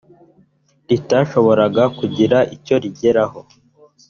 ritarashoboraga kugira icyo rigeraho